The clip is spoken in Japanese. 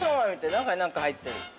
中に何か入ってる。